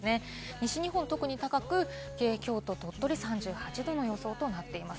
西日本、とくに高く、京都と鳥取は３８度の予想となっています。